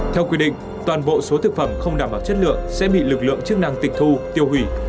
theo quy định toàn bộ số thực phẩm không đảm bảo chất lượng sẽ bị lực lượng chức năng tịch thu tiêu hủy